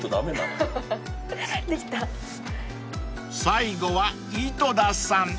［最後は井戸田さん］